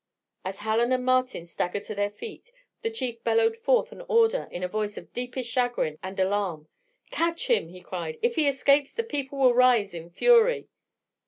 As Hallen and Martin staggered to their feet, the Chief bellowed forth an order in a voice of deepest chagrin and alarm: "Catch him!" he cried. "If he escapes, the people will rise in fury."